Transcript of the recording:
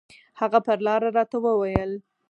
هغه پر لاره راته وويل.